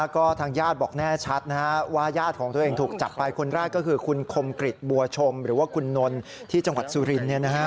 ก็ทางญาติบอกแน่ชัดว่าญาติของตัวเองถูกจับไปคนแรกก็คือคุณคมกริจบัวชมหรือว่าคุณนนที่จังหวัดสุรินทร์